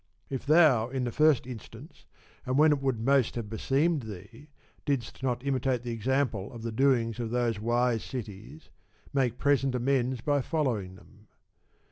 If thou in the first instance, and when it would 48 most have beseemed thee, didst not imitate the example of the doings of those wise cities, make present amends by following them.